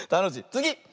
つぎ！